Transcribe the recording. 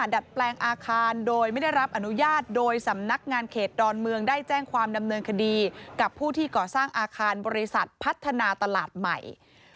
ดัดแปลงอาคารโดยไม่ได้รับอนุญาตโดยสำนักงานเขตดอนเมืองได้แจ้งความดำเนินคดีกับผู้ที่ก่อสร้างอาคารบริษัทพัฒนาตลาดใหม่